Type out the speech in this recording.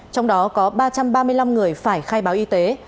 trong đó có ba trăm ba mươi năm người phải khai báo y tế